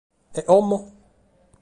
E como?